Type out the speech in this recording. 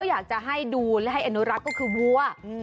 อยากจะให้ดูและให้อนุรักษ์ก็คือวัว